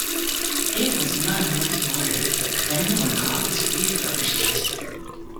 It was not in working order, but Crandall and Cox refurbished it.